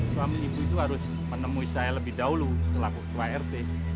suami ibu itu harus menemui saya lebih dahulu selaku ketua rt